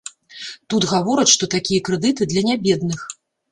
Тут гавораць, што такія крэдыты для нябедных.